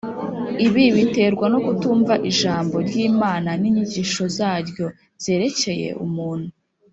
Ibi biterwa no kutumva Ijambo (ry'Imana) n'inyigisho zaryo zerekeye umuntu,